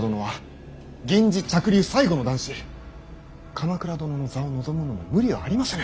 鎌倉殿の座を望むのも無理はありませぬ。